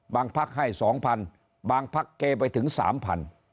บางพักให้สองพันบางพักเกไปถึงสามพัน